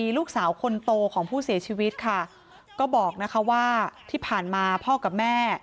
ลูกสาวคนโตของผู้เสียชีวิตค่ะก็บอกนะคะว่าที่ผ่านมาพ่อกับแม่